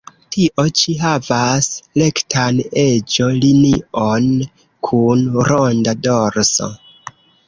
Tio ĉi havas rektan eĝo-linion kun ronda dorso.